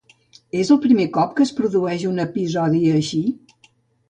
És el primer cop que es produeix un episodi així?